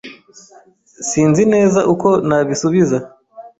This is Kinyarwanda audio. Sinzi neza uko nabisubiza.